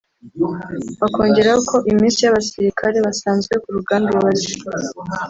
akongeraho ko iminsi y’abasirikare basanzwe ku rugamba ibaze